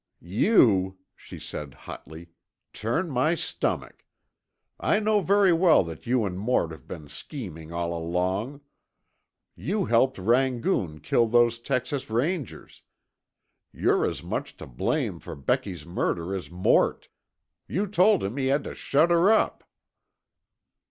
"You," she said hotly, "turn my stomach! I know very well that you and Mort have been scheming all along. You helped Rangoon kill those Texas Rangers. You're as much to blame for Becky's murder as Mort. You told him he had to shut her up."